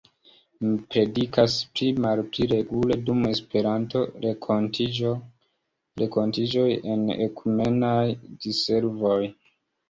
Mi predikas pli-malpli regule dum Esperanto-renkontiĝoj en ekumenaj diservoj.